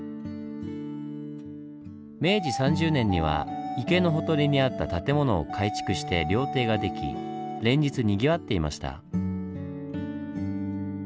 明治３０年には池のほとりにあった建物を改築して料亭ができ連日にぎわっていました。